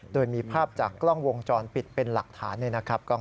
โดยมีภาพจากกล้องวงจรปิดเป็นหลักฐานนะครับ